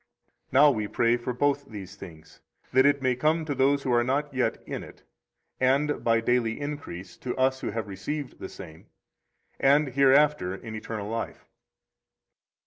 Now we pray for both these things, that it may come to those who are not yet in it, and, by daily increase, to us who have received the same, and hereafter in eternal life.